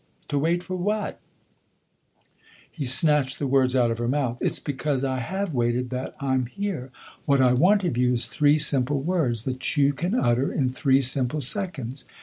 " To wait for what ?" He snatched the words out of her mouth. " It's because I have waited that I'm here. What I want of you is three simple words that you can utter in three simple seconds."